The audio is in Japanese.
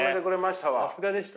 さすがでした。